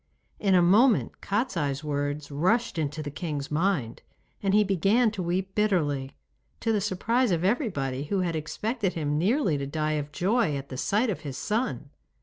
In a moment Kostiei's words rushed into the king's mind, and he began to weep bitterly, to the surprise of everybody, who had expected him nearly to die of joy at the sight of his son.